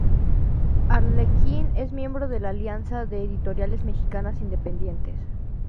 Arlequín es miembro de la Alianza de Editoriales Mexicanas Independientes.